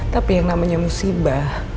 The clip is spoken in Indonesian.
tapi yang namanya musibah